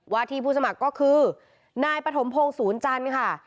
ที่ผู้สมัครก็คือนายปฐมพงศูนย์จันทร์ค่ะ